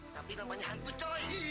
tapi namanya hantu coy